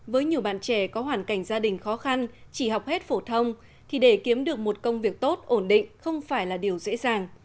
với nhiều bạn trẻ có hoàn cảnh gia đình khó khăn chỉ học hết phổ thông thì để kiếm được một công việc tốt ổn định không phải là điều dễ dàng